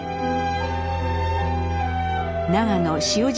長野塩尻